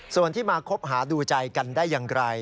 ส่วนที่มาคบหาดูใจกันได้อย่างไร